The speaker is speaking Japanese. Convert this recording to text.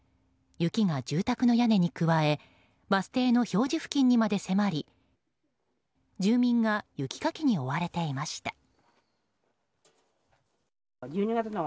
雪が住宅の屋根に加えバス停の表示付近にまで迫り住民が雪かきに追われていました。